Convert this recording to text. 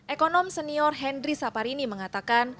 ekonom senior henry saparini mengatakan